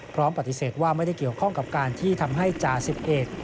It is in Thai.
พร้อมปฏิเสธว่าไม่ได้เกี่ยวข้องกับการที่ทำให้จ่าสิบเอก